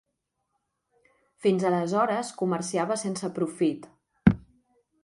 Fins aleshores comerciava sense profit.